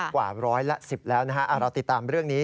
กว่าร้อยละ๑๐แล้วนะฮะเราติดตามเรื่องนี้